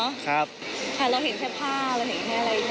เราเห็นแค่ผ้าเราเห็นแค่อะไรแบบนี้ค่ะ